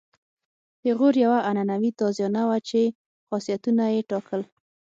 پیغور یوه عنعنوي تازیانه وه چې خاصیتونه یې ټاکل.